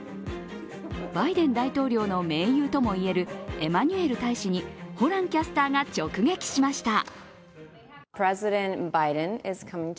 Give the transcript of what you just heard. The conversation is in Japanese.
バイデン大統領の盟友ともいえるエマニュエル大使にホランキャスターが直撃しました。